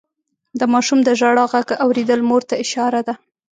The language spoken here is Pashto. د ماشوم د ژړا غږ اورېدل مور ته اشاره ده.